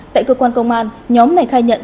tại cơ quan công an nhóm này khai nhận